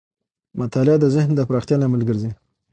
مطالعه د ذهن د پراختیا لامل ګرځي.